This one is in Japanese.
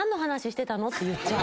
て言っちゃう。